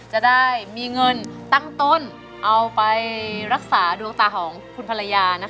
จะได้มีเงินตั้งต้นเอาไปรักษาดวงตาของคุณภรรยา